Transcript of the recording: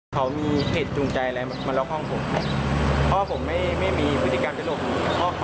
คือเราจะย้ายออก